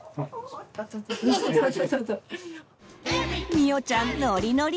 みおちゃんノリノリ！